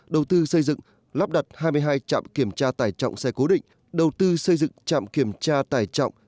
đầu tư xây dựng lắp đặt hai mươi hai trạm kiểm tra tải trọng xe cố định đầu tư xây dựng trạm kiểm tra tải trọng